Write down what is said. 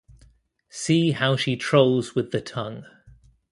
See how she trolls with the tongue.